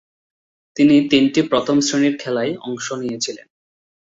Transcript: তিনি তিনটি প্রথম-শ্রেণীর খেলায় অংশ নিয়েছিলেন।